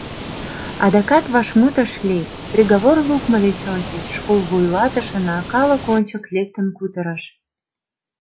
Адакат вашмут ыш лийПриговор лукмо деч ончыч школ вуйлатышына калык ончык лектын кутырыш.